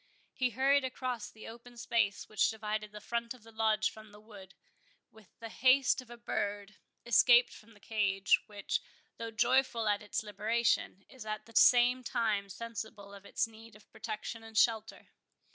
He hurried across the open space which divided the front of the Lodge from the wood, with the haste of a bird, escaped from the cage, which, though joyful at its liberation, is at the same time sensible of its need of protection and shelter.